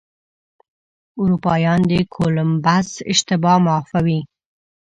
اروپایان د کولمبس اشتباه معافوي.